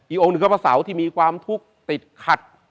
องค์หนึ่งก็พระเสาที่มีความทุกข์ติดขัด